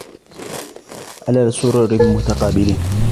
عَلَى سُرُرٍ مُتَقَابِلِينَ